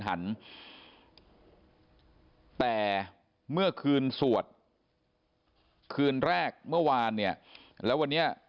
แต่เมื่อคืนสวดคืนแรกเมื่อวานเนี่ยแล้ววันนี้